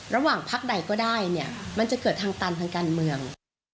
ระหว่างพักใดก็ได้เนี่ยมันจะเกิดทางตันทางการเมือง